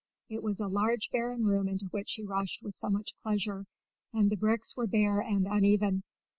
It was a large barren room into which he rushed with so much pleasure, and the bricks were bare and uneven.